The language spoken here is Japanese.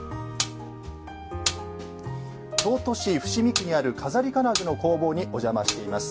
京都市伏見区にある錺金具の工房にお邪魔しています。